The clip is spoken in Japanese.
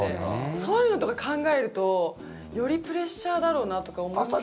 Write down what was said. そういうのとか考えるとよりプレッシャーだろうなとか思いますよね。